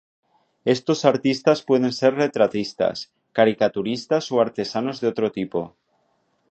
Estos artistas pueden ser retratistas, caricaturistas o artesanos de otro tipo.